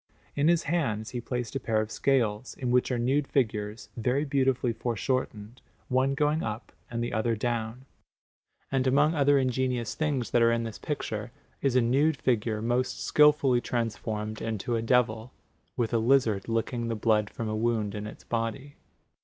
In his hands he placed a pair of scales, in which are nude figures, very beautifully foreshortened, one going up and the other down; and among other ingenious things that are in this picture is a nude figure most skilfully transformed into a devil, with a lizard licking the blood from a wound in its body.